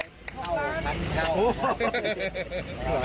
พ่อแกก็ห้าเป็นไปอีกนะครับ